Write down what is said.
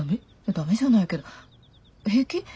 ダメじゃないけど平気？